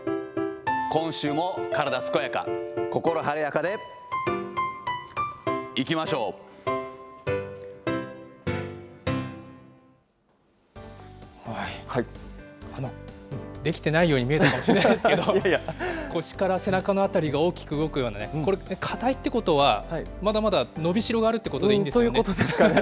今週も体健やか心晴れやかでいきましょう。できてないように見えてるかもしれませんけれども、腰から背中の辺りが大きく動くようなね、これってかたいってことは、まだまだ伸びしろがあるということでいいんですよね。ということですかね。